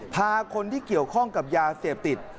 พาคนที่เกี่ยวข้องกับยาเสพติด